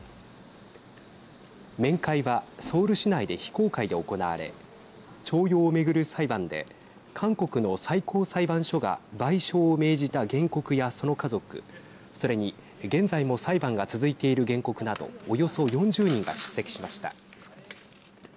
面会はソウル市内で非公開で行われ徴用を巡る裁判で韓国の最高裁判所が賠償を命じた原告やその家族それに現在も裁判が続いている原告などおよそ４０人が出席しました。